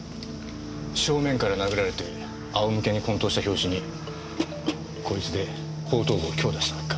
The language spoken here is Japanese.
正面から殴られて仰向けに昏倒した拍子にこいつで後頭部を強打したのか。